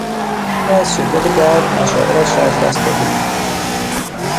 او از شدت درد مشاعرش را از دست داده بود.